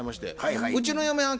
うちの嫁はん